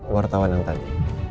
wartawan yang tadi